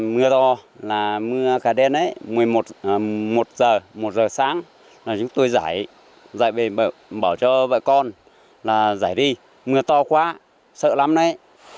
mưa to là mưa khá đen đấy một mươi một h một h sáng là chúng tôi giải bảo cho vợ con là giải đi mưa to quá sợ lắm đấy